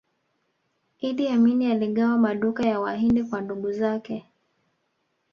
iddi amini aligawa maduka ya wahindi kwa ndugu zake